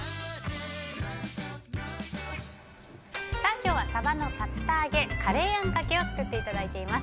今日はサバの竜田揚げカレーあんかけを作っていただいています。